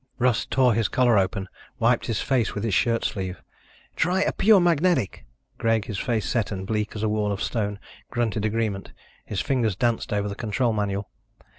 Russ tore his collar open, wiped his face with his shirt sleeve. "Try a pure magnetic!" Greg, his face set and bleak as a wall of stone, grunted agreement. His fingers danced over the control manual.